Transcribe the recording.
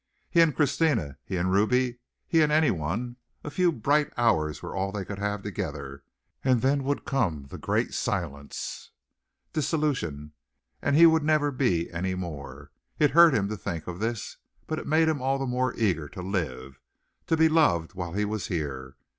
He and Christina, he and Ruby he and anyone a few bright hours were all they could have together, and then would come the great silence, dissolution, and he would never be anymore. It hurt him to think of this, but it made him all the more eager to live, to be loved while he was here.